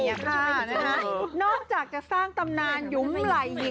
แล้วแล้วนอกจากสร้างตำนานหยุมลายหลาย